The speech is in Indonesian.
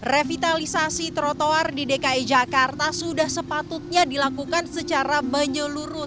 revitalisasi trotoar di dki jakarta sudah sepatutnya dilakukan secara menyeluruh